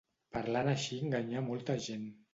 Parlant així enganyà a molta gent.